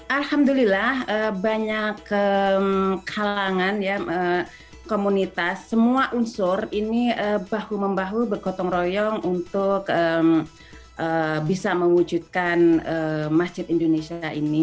alhamdulillah banyak kalangan komunitas semua unsur ini bahu membahu bergotong royong untuk bisa mewujudkan masjid indonesia ini